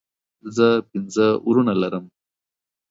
زه پنځه وروڼه لرم